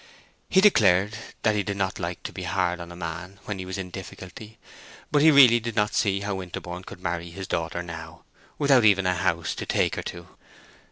He declared that he did not like to be hard on a man when he was in difficulty; but he really did not see how Winterborne could marry his daughter now, without even a house to take her to.